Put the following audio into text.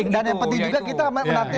dan yang penting juga kita menentukan